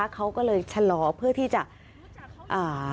เขาก็เลยชะลอเพื่อที่จะอ่า